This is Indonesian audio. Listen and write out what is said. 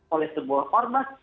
oleh sebuah ormas